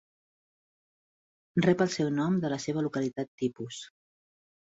Rep el seu nom de la seva localitat tipus.